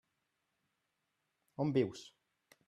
On vius?